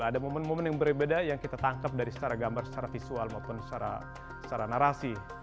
ada momen momen yang berbeda yang kita tangkap dari secara gambar secara visual maupun secara narasi